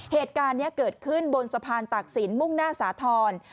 เหตุการณ์นี้เกิดขึ้นบนสะพานตากศิลปมุ่งหน้าสาธรณ์